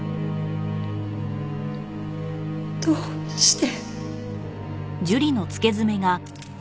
どうして？